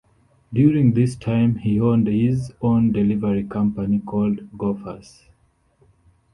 During this time, he owned his own delivery company called Gophers.